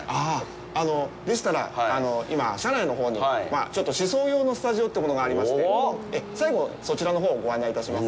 でしたら、今、社内のほうにちょっと試奏用のスタジオというものがありまして、最後、そちらのほうご案内いたします。